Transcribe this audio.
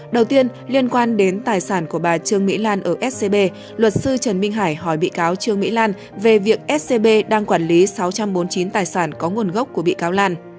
đầu tiên liên quan đến tài sản của bà trương mỹ lan ở scb luật sư trần minh hải hỏi bị cáo trương mỹ lan về việc scb đang quản lý sáu trăm bốn mươi chín tài sản có nguồn gốc của bị cáo lan